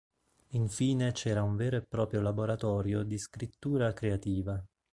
Infine c'era un vero e proprio laboratorio di scrittura creativa.